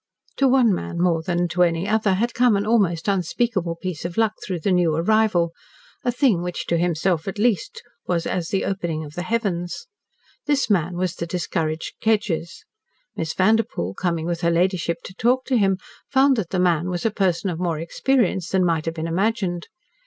To one man more than to any other had come an almost unspeakable piece of luck through the new arrival a thing which to himself, at least, was as the opening of the heavens. This man was the discouraged Kedgers. Miss Vanderpoel, coming with her ladyship to talk to him, found that the man was a person of more experience than might have been imagined.